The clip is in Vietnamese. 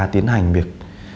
tiến hành việc